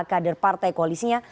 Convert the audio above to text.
kader partai koalisinya